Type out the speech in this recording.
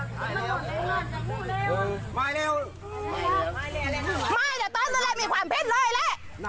เกรียบเกินหลังการเลี้ยงทำตังค์การพูดนะ